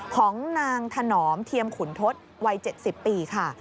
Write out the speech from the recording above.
ของนางถนอมเทียมขุนทศวัย๗๐ปีค่ะ